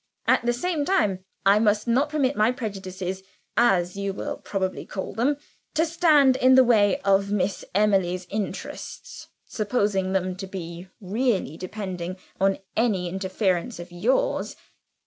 At the same time, I must not permit my prejudices (as you will probably call them) to stand in the way of Miss Emily's interests supposing them to be really depending on any interference of yours.